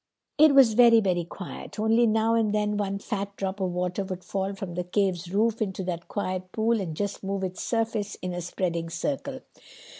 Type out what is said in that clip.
It was very, very quiet. Only now and then one fat drop of water would fall from the cave's roof into that quiet pool and just move its surface in a spreading circle.